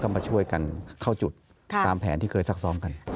มาช่วยกันเข้าจุดตามแผนที่เคยซักซ้อมกัน